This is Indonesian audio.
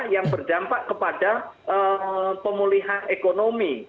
yang berdampak kepada pemulihan ekonomi